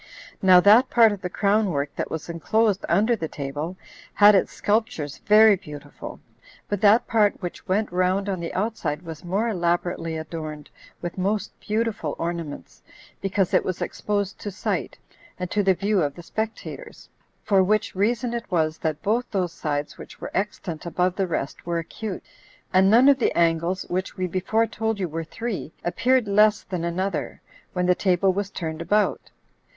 Now that part of the crown work that was enclosed under the table had its sculptures very beautiful; but that part which went round on the outside was more elaborately adorned with most beautiful ornaments, because it was exposed to sight, and to the view of the spectators; for which reason it was that both those sides which were extant above the rest were acute, and none of the angles, which we before told you were three, appeared less than another, when the table was turned about.